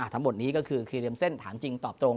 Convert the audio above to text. ทั้งหมดนี้ก็คือครีเรียมเส้นถามจริงตอบตรง